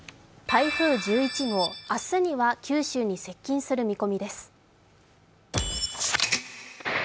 台風１１号、明日には九州に接近する見込みです。